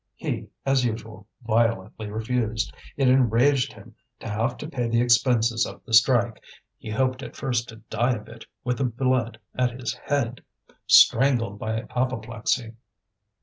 He, as usual, violently refused. It enraged him to have to pay the expenses of the strike; he hoped at first to die of it, with the blood at his head, strangled by apoplexy.